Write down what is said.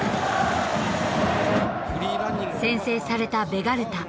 先制されたベガルタ。